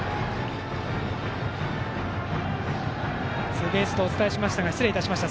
ツーベースとお伝えしましたが失礼しました。